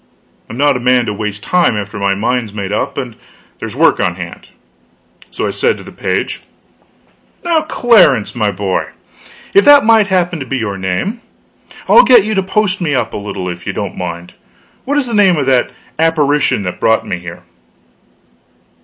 I'm not a man to waste time after my mind's made up and there's work on hand; so I said to the page: "Now, Clarence, my boy if that might happen to be your name I'll get you to post me up a little if you don't mind. What is the name of that apparition that brought me here?"